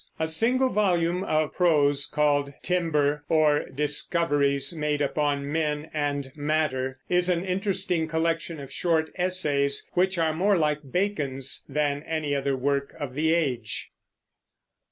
A single volume of prose, called Timber, or Discoveries made upon Men and Matter, is an interesting collection of short essays which are more like Bacon's than any other work of the age.